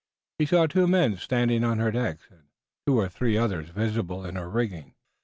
He saw two men standing on her decks, and two or three others visible in her rigging.